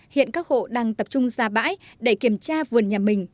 hiện các hộ đang tập trung ra bãi để kiểm tra vườn nhà mình